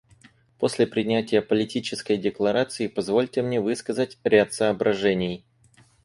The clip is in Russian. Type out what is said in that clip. После принятия Политической декларации позвольте мне высказать ряд соображений.